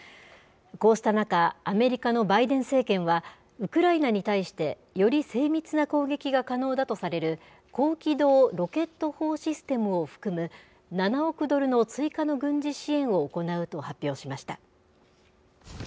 こうした中、アメリカのバイデン政権は、ウクライナに対してより精密な攻撃が可能だとされる、高機動ロケット砲システムを含む、７億ドルの追加の軍事支援を行うと発表しました。